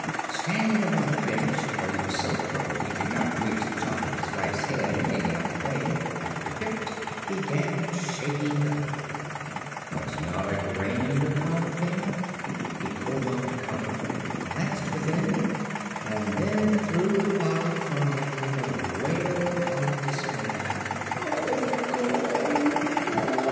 Standing upon the bench, for he was so crooked he could not reach the top of his wife's head in any other way, Dr. Pipt began shaking the bottle. But not a grain of powder came out. He pulled off the cover, glanced within, and then threw the bottle from him with a wail of despair. "Gone gone!